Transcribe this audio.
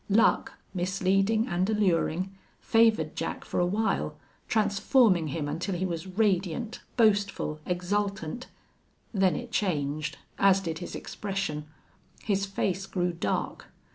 Luck, misleading and alluring, favored Jack for a while, transforming him until he was radiant, boastful, exultant. Then it changed, as did his expression. His face grew dark.